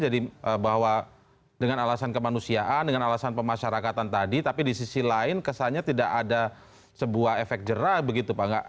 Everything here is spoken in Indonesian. jadi bahwa dengan alasan kemanusiaan dengan alasan pemasarakatan tadi tapi di sisi lain kesannya tidak ada sebuah efek jerah begitu pak